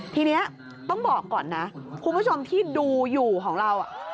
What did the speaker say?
ทีนี้ต้องบอกก่อนนะคุณผู้ชมที่ดูอยู่ของเรา